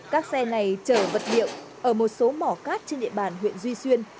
các xe này chở vật liệu ở một số mỏ cát trên địa bàn huyện duy xuyên